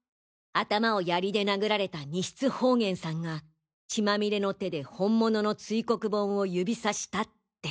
頭を槍で殴られた西津法玄さんが血まみれの手で本物の堆黒盆を指差したって。